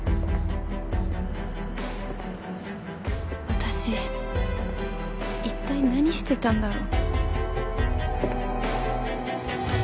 私一体何してたんだろう